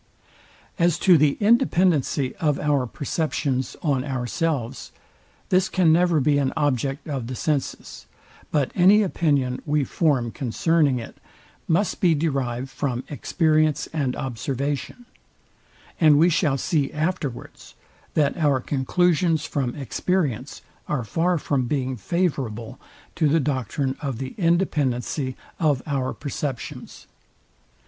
As to the independency of our perceptions on ourselves, this can never be an object of the senses; but any opinion we form concerning it, must be derived from experience and observation: And we shall see afterwards, that our conclusions from experience are far from being favourable to the doctrine of the independency of our perceptions.